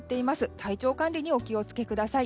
体調管理にお気を付けください。